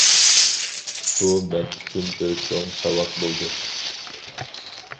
بۇ مەن ئۈچۈن بىر چوڭ ساۋاق بولدى.